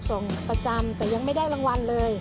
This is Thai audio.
ส่งประจำแต่ยังไม่ได้รางวัลเลย